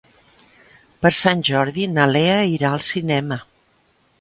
Per Sant Jordi na Lea irà al cinema.